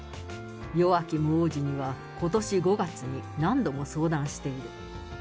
ヨアキム王子には、ことし５月に何度も相談している。